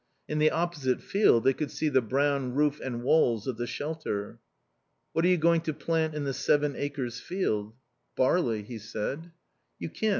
In the opposite field they could see the brown roof and walls of the shelter. "What are you going to plant in the Seven Acres field?" "Barley," he said. "You can't.